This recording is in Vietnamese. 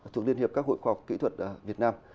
thuộc liên hiệp các hội khoa học kỹ thuật việt nam